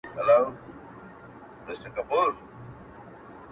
ښایسته ملکه سمه لېونۍ سوه-